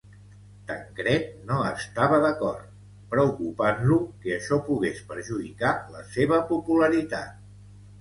Tancred no estava d'acord, preocupant-lo que això pogués perjudicar la seva popularitat.